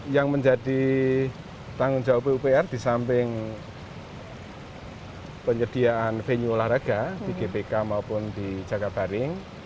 yang menjadi tanggung jawab pupr di samping penyediaan venue olahraga di gbk maupun di jakabaring